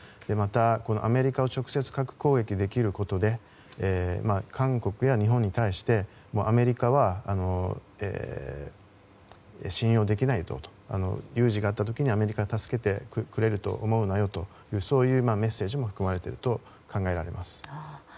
またアメリカを直接、核攻撃できることで韓国や日本に対してアメリカは信用できないと有事があった時にアメリカは助けてくれると思うなよとそういうメッセージも含まれていると考えられます。